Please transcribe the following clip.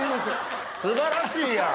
素晴らしいやん。